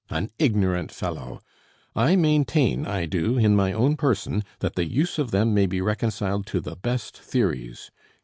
An ignorant fellow! I maintain, I do, in my own person, that the use of them may be reconciled to the best theories.